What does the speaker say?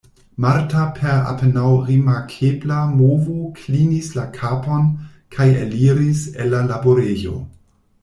Marta per apenaŭ rimarkebla movo klinis la kapon kaj eliris el la laborejo.